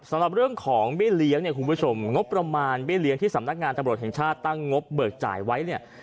สำหรับเรื่องของเบี้ยเลี้ยงเนี่ยคุณผู้ชมงบประมาณเบี้เลี้ยงที่สำนักงานตำรวจแห่งชาติตั้งงบเบิกจ่ายไว้เนี่ย